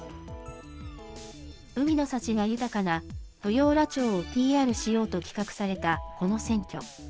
海の幸が豊かな豊浦町をＰＲしようと企画されたこの選挙。